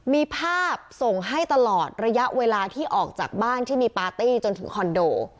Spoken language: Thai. มีภาพส่งให้ตลอดระยะเวลาที่ออกจากบ้านที่มีปาร์ตี้จนถึงคอนโด